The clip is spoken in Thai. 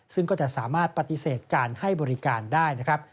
ซึ่งก็จะสามารถปฏิเสธการให้บริการได้นะครับ